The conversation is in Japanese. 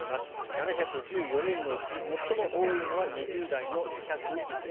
７１４人のうち最も多いのは２０代の２０１人。